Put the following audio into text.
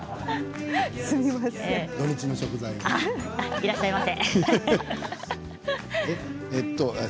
いらっしゃいませ。